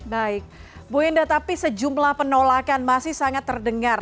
baik bu enda tapi sejumlah penolakan masih sangat terdengar